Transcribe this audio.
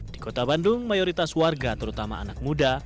di kota bandung mayoritas warga terutama anak muda